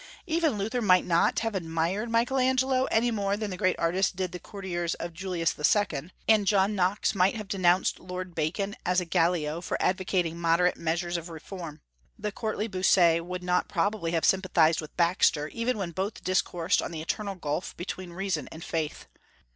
Even Luther might not have admired Michael Angelo, any more than the great artist did the courtiers of Julius II.; and John Knox might have denounced Lord Bacon as a Gallio for advocating moderate measures of reform. The courtly Bossuet would not probably have sympathized with Baxter, even when both discoursed on the eternal gulf between reason and faith.